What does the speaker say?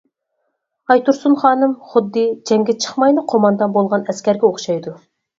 ئايتۇرسۇن خانىم خۇددى جەڭگە چىقمايلا قوماندان بولغان ئەسكەرگە ئوخشايدۇ.